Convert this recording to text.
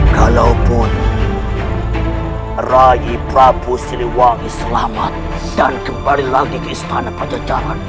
kalaupun ray prabu siliwangi selamat dan kembali lagi ke istana pajajaran